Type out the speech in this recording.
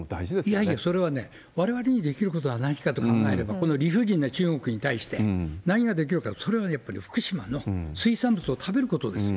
いやいやそれはね、われわれにできることはないと考えれば、この理不尽な中国に対して何ができるか、それはやっぱり福島の水産物を食べることですよ。